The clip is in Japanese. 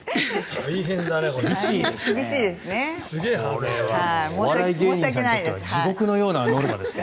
これはお笑い芸人さんにとっては地獄のようなノルマですね。